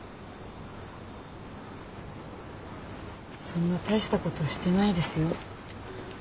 そんな大したことしてないですよ。